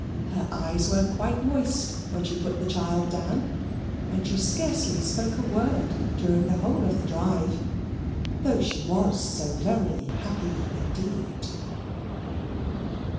Her eyes were quite moist when she put the child down; and she scarcely spoke a word during the whole of the drive though she was so very happy indeed.